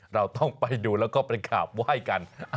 เราต้องไปดูแล้วก็ไปกราบไหว้กัน